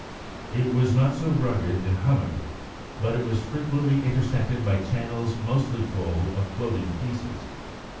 It was not so rugged and hummocky, but it was frequently intersected by channels mostly full of floating pieces.